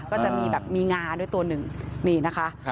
ก็จะมีแบบมีงาด้วยตัวหนึ่งนี่นะคะ